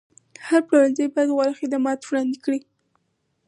هر پلورنځی باید غوره خدمات وړاندې کړي.